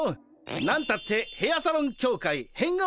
何たってヘアサロン協会変顔